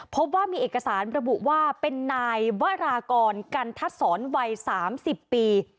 พบว่ามีเอกสารระบุว่าเป็นนายวรากรกันทัศรวัย๓๐ปี